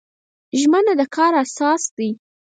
ژمنه د کار اساس دی